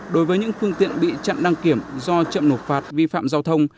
đối với những phương tiện bị chặn đăng kiểm do chậm nộp phạt vi phạm giao thông